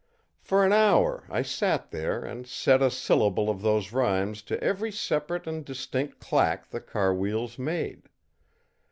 For an hour I sat there and set a syllable of those rhymes to every separate and distinct clack the car wheels made.